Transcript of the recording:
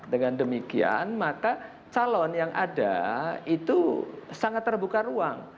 dengan demikian maka calon yang ada itu sangat terbuka ruang